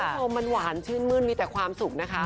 คุณผู้ชมมันหวานชื่นมื้นมีแต่ความสุขนะคะ